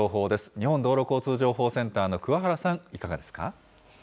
日本道路交通情報センターの桑原さん、いかがですか。